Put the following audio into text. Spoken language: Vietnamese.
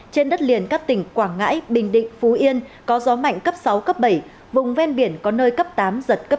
trên đất liền các tỉnh quảng ngãi bình định phú yên có gió mạnh cấp sáu cấp bảy vùng ven biển có nơi cấp tám giật cấp tám